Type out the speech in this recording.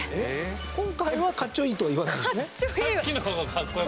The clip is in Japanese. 今回はかっちょいいとは言わないんですね。